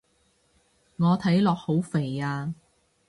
我睇落好肥啊